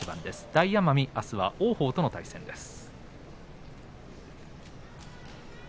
大奄美はあす王鵬との対戦です。